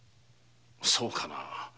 そうかな？